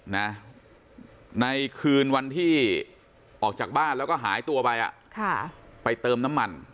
ในคืนวันที่ออกจากบ้านแล้วก็หายตัวไปอ่ะค่ะไปเติมน้ำมัน